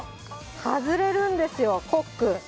外れるんですよ、ホック。